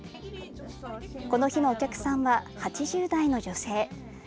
この日のお客さんは８０代の女性。